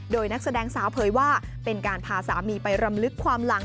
โดยนักแสดงสาวเผยว่าเป็นการพาสามีไปรำลึกความหลัง